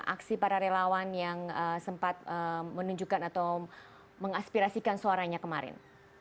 aksi para relawan yang sempat menunjukkan atau mengaspirasikan suaranya kemarin